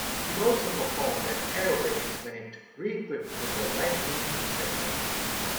It also performed aerobatics when it re-equipped with the Lightning interceptor.